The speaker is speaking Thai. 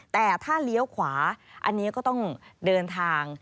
แต่ถ้าเลี้ยวขวาอันนี้ก็ต้องเดินทาง